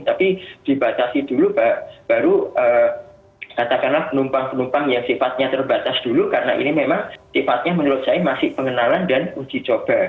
tapi dibatasi dulu baru katakanlah penumpang penumpang yang sifatnya terbatas dulu karena ini memang sifatnya menurut saya masih pengenalan dan uji coba